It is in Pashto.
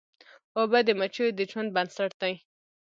اوبه د مچیو د ژوند بنسټ دي.